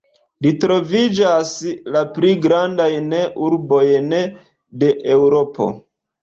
Li travojaĝis la pli grandajn urbojn de Eŭropo.